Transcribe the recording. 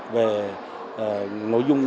về nội dung